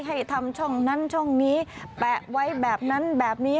ให้ทำช่องนั้นช่องนี้แปะไว้แบบนั้นแบบนี้